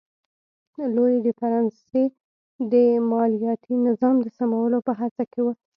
لويي د فرانسې د مالیاتي نظام د سمولو په هڅه کې و.